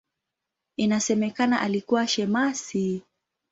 Inasemekana alikuwa shemasi.